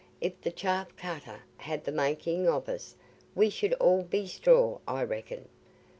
If the chaff cutter had the making of us, we should all be straw, I reckon.